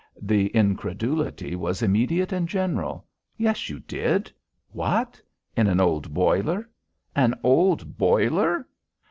The incredulity was immediate and general. "Yes, you did! What? In an old boiler? An old boiler?